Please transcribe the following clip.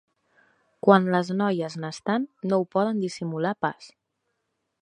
Quan les noies n'estan no ho poden dissimular pas.